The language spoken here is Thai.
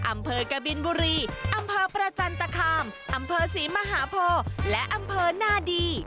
อำเภอกบินบุรีอำเภอประจันตคามอำเภอศรีมหาโพและอำเภอนาดี